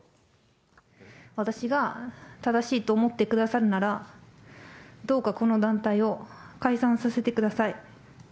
私が正しいと思ってくださるなら、どうかこの団体を解散させてください。